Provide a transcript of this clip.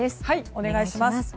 お願いします。